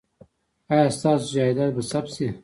ایا ستاسو جایداد به ثبت شي؟